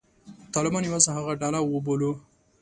طالبان یوازې هغه ډله وبولو.